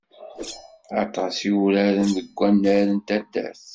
Aṭas i uraren deg wannar n taddart.